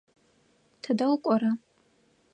Тыдэ укӏора?